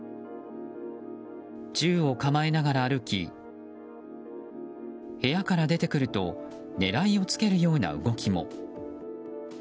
銃を構えながら歩き部屋から出てくると狙いをつけるような動きも。